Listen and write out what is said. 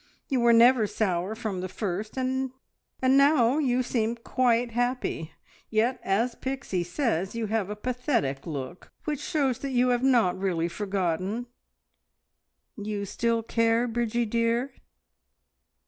You were never sour from the first, and now you seem quite happy. Yet, as Pixie says, you have a pathetic look which shows that you have not really forgotten. You still care, Bridgie dear?"